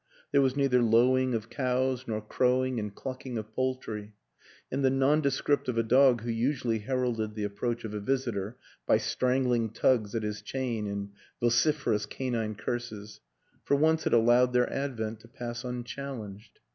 There was neither lowing of cows nor crowing and clucking of poultry; and the nonde script of a dog who usually heralded the approach of a visitor by strangling tugs at his chain and vociferous canine curses, for once had allowed their advent to pass unchallenged.